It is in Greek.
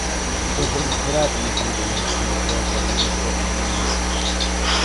Ήταν πρώτη φορά που με πλήγωναν και με πρόσβαλλαν οι ανθρώπινες προλήψεις